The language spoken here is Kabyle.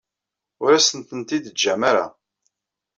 Ur asent-tent-id-teǧǧam ara.